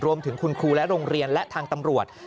รวมถึงคุณครูและโรงเรียนและทางตำรวจ